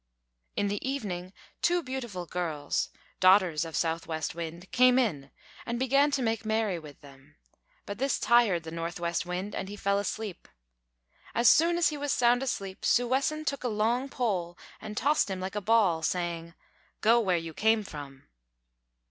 In the evening two beautiful girls (daughters of Southwest Wind) came in and began to make merry with them; but this tired the Northwest Wind, and he fell asleep. As soon as he was sound asleep, Sūwessen took a long pole and tossed him like a ball, saying: "Go where you came from."